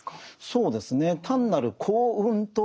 そうですね。